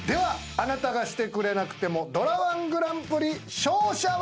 『あなたがしてくれなくても』ドラ−１グランプリ勝者は！？